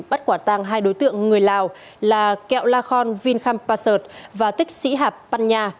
bắt quả tăng hai đối tượng người lào là kẹo la khon vinhampasert và tích sĩ hạp pan nha